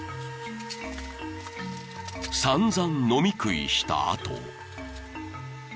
［散々飲み食いした後］